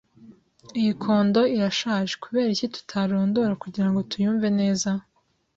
Iyi condo irashaje. Kuberiki tutarondora kugirango tuyumve neza?